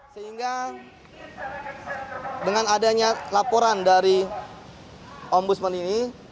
sehingga dengan adanya laporan dari ombudsman ini